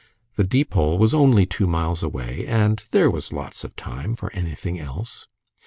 The Deepole was only two miles away, and "There was lots of time" for anything else.